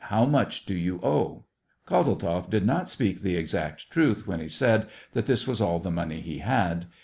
" How much do you owe ?" Kozeltzoff did not speak the exact truth when he said that this was all the money he had.